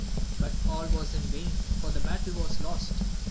but all was in yam, for the battle was lost.